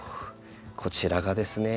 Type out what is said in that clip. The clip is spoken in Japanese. こちらがですね